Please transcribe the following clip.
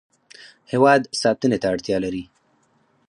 هیواد ساتنې ته اړتیا لري.